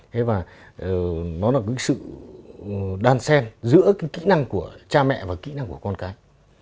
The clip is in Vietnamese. thế và nó là cái sự đàn sen giữa cái kỹ năng của cha mẹ và kỹ năng của con cái